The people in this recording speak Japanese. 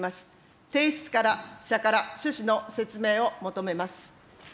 提出者から趣旨の説明を求めます。